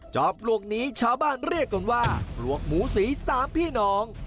ปลวกนี้ชาวบ้านเรียกกันว่าปลวกหมูสี๓พี่น้อง